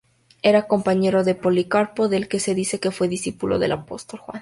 Era compañero de Policarpo, del que se dice que fue discípulo del apóstol Juan.